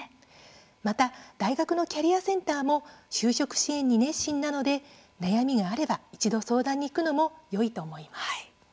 また、大学のキャリアセンターも就職支援に熱心なので悩みがあれば、一度相談に行くのもよいと思います。